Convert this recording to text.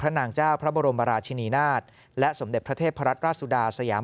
นางเจ้าพระบรมราชินีนาฏและสมเด็จพระเทพรัตนราชสุดาสยาม